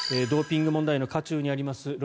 ドーピング問題の渦中にあります